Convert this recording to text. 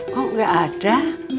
kok gak ada